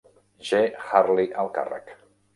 G. Hurley al càrrec.